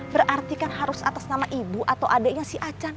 berarti kan harus atas nama ibu atau adiknya si acan